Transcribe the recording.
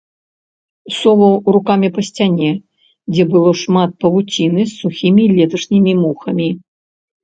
Соваў рукамі па сцяне, дзе было шмат павуціны з сухімі леташнімі мухамі.